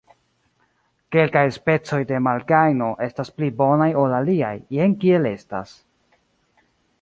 Kelkaj specoj de malgajno estas pli bonaj ol aliaj, jen kiel estas.